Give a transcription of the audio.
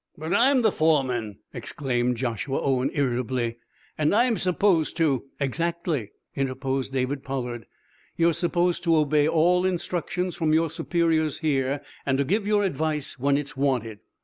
"But I'm the foreman," exclaimed Joshua Owen, irritably, "and I'm supposed to " "Exactly," interposed David Pollard. "You're supposed to obey all instructions from your superiors here, and to give your advice when it's wanted.